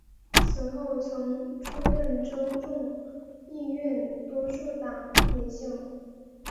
此后曾出任州众议院多数党领袖。